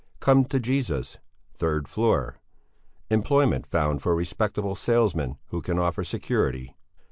Come to Jesus, third floor. Employment found for respectable salesmen who can offer security.